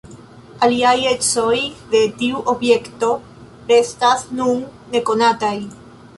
Aliaj ecoj de tiu objekto restas nun nekonataj.